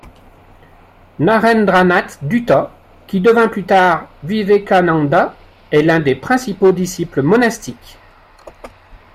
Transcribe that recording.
Narendranath Dutta, qui devint plus tard Vivekananda est l'un des principaux disciples monastiques.